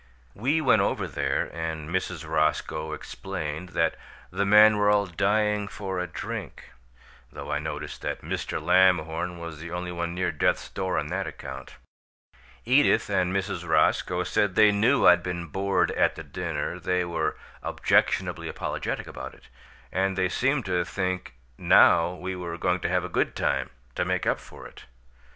We went over there, and Mrs. Roscoe explained that 'the men were all dying for a drink,' though I noticed that Mr. Lamhorn was the only one near death's door on that account. Edith and Mrs. Roscoe said they knew I'd been bored at the dinner. They were objectionably apologetic about it, and they seemed to think NOW we were going to have a 'good time' to make up for it.